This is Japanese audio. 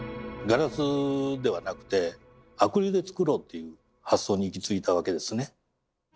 ガラスではなくてアクリルで造ろうっていう発想に行き着いたわけですね。